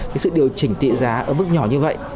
cái sự điều chỉnh tỷ giá ở mức nhỏ như vậy